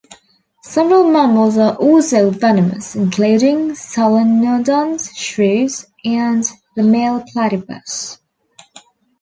Several mammals are also venomous, including solenodons, shrews, and the male platypus.